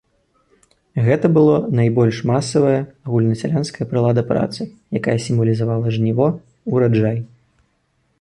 Гэта было найбольш масавая агульнасялянская прылада працы, якая сімвалізавала жніво, ураджай.